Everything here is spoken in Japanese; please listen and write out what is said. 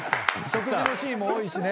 食事のシーンも多いしね。